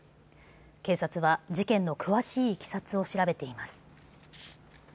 警察は事件の詳しいいきさつを調べています。